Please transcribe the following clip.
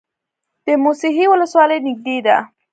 د موسهي ولسوالۍ نږدې ده